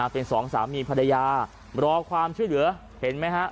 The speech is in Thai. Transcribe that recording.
เป็นสองสามีภรรยารอความช่วยเหลือเห็นไหมฮะ